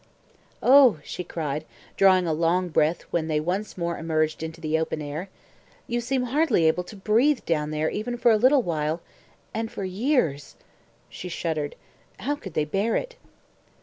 "Oh!" she cried, drawing a long breath when they once more emerged into the open air. "You seem hardly able to breathe down there even for a little while and for years " She shuddered. "How could they bear it?"